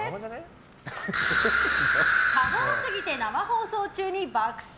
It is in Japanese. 多忙すぎて生放送中に爆睡！